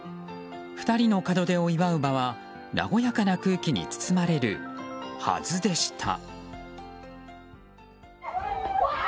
２人の門出を祝う場は和やかな空気に包まれるはずでした。